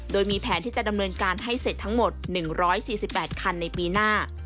โดยมีแผนที่จะดำเนินการให้เสร็จทั้งหมด๑๔๘คันในปีหน้า